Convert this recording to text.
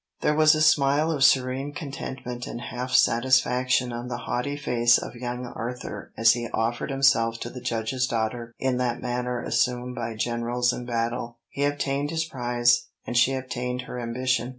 There was a smile of serene contentment and half satisfaction on the haughty face of young Arthur as he offered himself to the Judge's daughter in that manner assumed by generals in battle. He obtained his prize, and she obtained her ambition.